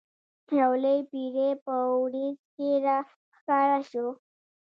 یو لوی پیری په وریځ کې را ښکاره شو.